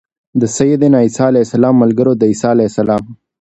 د سيّدنا عيسی عليه السلام ملګرو د عيسی علیه السلام